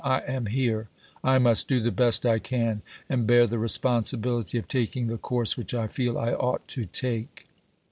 I am here ; I must do the best I can, and bear the responsibility of taking the course which I feel I ought to take."